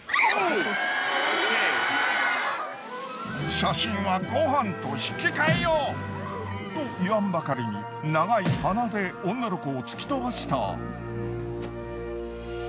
写真はご飯と引き換えよと言わんばかりに長い鼻で女の子を突き飛ばした。